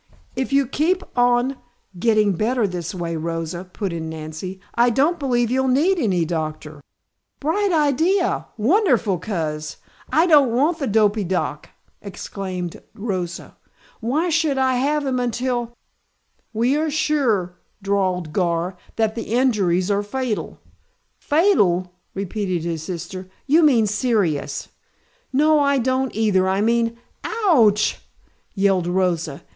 "If you keep on getting better this way, Rosa," put in Nancy, "I don't believe you'll need any doctor." "Bright idea! Wonderful coz! I don't want the dopy doc," exclaimed Rosa. "Why should I have him until " "We are sure," drawled Gar, "that the injuries are fatal." "Fatal?" repeated his sister. "You mean serious." "No, I don't either. I mean " "Ouch!" yelled Rosa.